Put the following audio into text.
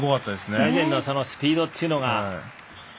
大然のスピードというのが。